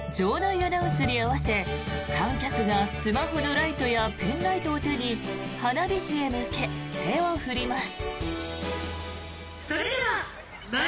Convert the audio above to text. アナウンスに合わせ観客がスマホのライトやペンライトを手に花火師へ向け、手を振ります。